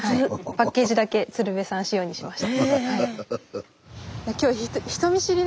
パッケージだけ鶴瓶さん仕様にしました。